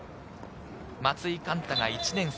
松井貫太が１年生。